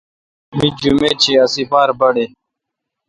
می جمیت شی ا ہ سیپار پِریل۔